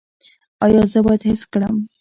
ایا زه باید حس کړم؟